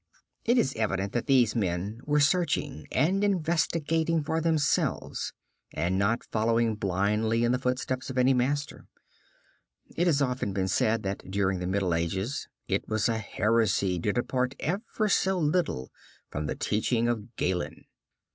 It is evident that these men were searching and investigating for themselves, and not following blindly in the footsteps of any master. It has often been said that during the Middle Ages it was a heresy to depart, ever so little, from the teaching of Galen.